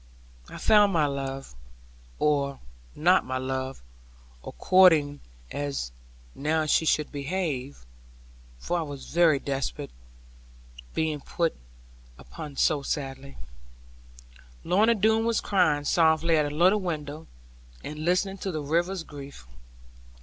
I found my love (or not my love; according as now she should behave; for I was very desperate, being put upon so sadly); Lorna Doone was crying softly at a little window, and listening to the river's grief.